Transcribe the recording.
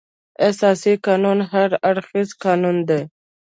اساسي قانون هر اړخیز قانون دی.